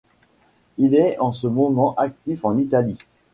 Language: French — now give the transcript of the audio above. Il est en ce moment actif en Italie.